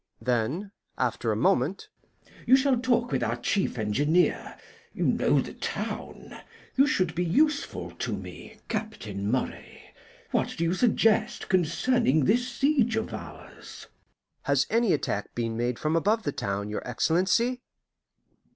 Then, after a moment: "You shall talk with our chief engineer; you know the town you should be useful to me, Captain Moray. What do you suggest concerning this siege of ours?" "Has any attack been made from above the town, your Excellency?"